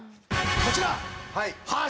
こちら！